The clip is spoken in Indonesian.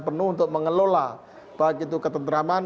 penuh untuk mengelola baik itu ketentraman